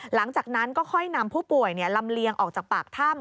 หลังจากนั้นก็ค่อยนำผู้ป่วยลำเลียงออกจากปากถ้ำ